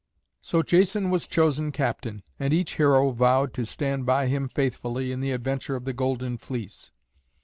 So Jason was chosen captain, and each hero vowed to stand by him faithfully in the adventure of the Golden Fleece.